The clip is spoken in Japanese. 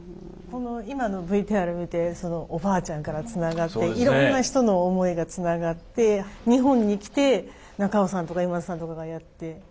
この今のＶＴＲ見ておばあちゃんからつながっていろんな人の思いがつながって日本に来て中尾さんとか今津さんとかがやって。